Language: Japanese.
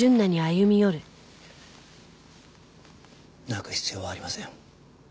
泣く必要はありません。